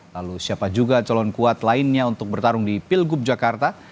lalu siapa juga calon kuat lainnya untuk bertarung di pilgub jakarta